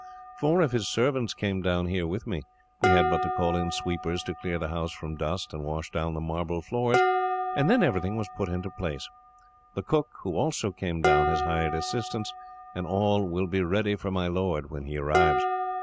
Four of his servants came down here, with me. We had but to call in sweepers, to clear the house from dust and wash down the marble floors, and then everything was put into its place. The cook, who also came down, has hired assistants, and all will be ready for my lord, when he arrives."